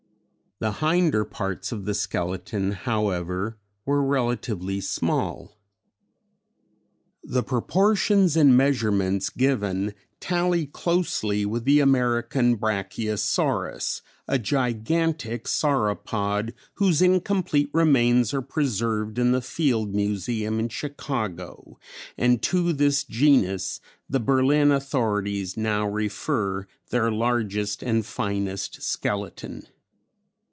The hinder parts of the skeleton however, were relatively small. The proportions and measurements given tally closely with the American Brachiosaurus, a gigantic sauropod whose incomplete remains are preserved in the Field Museum in Chicago and to this genus the Berlin authorities now refer their largest and finest skeleton.